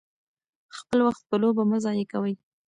خپل وخت په لوبو مه ضایع کوئ.